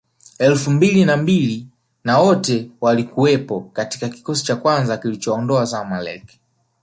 elfu mbili na mbili na wote walikuwepo katika kikosi cha kwanza kilichowaondoa Zamelek